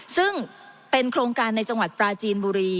ซึ่งเป็นโครงการในจังหวัดปราจีนบุรี